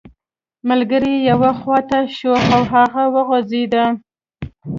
ملګری یې یوې خوا ته شو او هغه وغورځیده